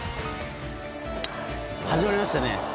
始まりましたね。